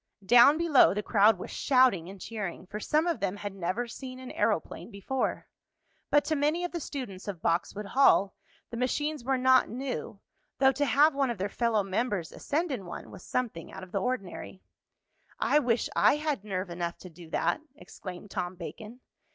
Down below the crowd was shouting and cheering, for some of them had never seen an aeroplane before. But to many of the students of Boxwood Hall the machines were not new, though to have one of their fellow members ascend in one was something out of the ordinary. "I wish I had nerve enough to do that!" exclaimed Tom Bacon.